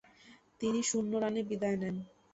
তিনি শূন্য রানে বিদায় নেন।